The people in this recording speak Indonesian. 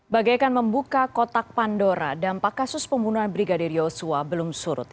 bagaikan membuka kotak pandora dampak kasus pembunuhan brigadir yosua belum surut